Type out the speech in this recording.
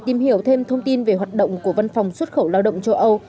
tìm hiểu thêm thông tin về hoạt động của văn phòng xuất khẩu lao động châu âu